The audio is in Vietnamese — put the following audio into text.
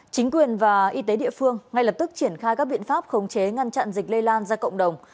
chính quyền và y tế địa phương ngay lập tức triển khai các biện pháp khống chế ngăn chặn dịch lây lan ra cộng đồng